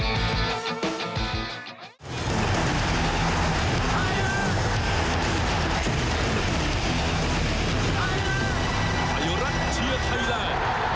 และเพื่อโอกาสในการเป็นตัวแทนทีมชาติไทยไปลุยเวทีโอลิฟิกเกมส์